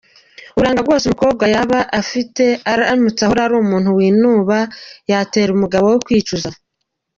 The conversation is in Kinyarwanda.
Uburanga bwose umukobwa yaba afite aramutse ahora ari umuntu winuba yatera umugabo we kwicuza.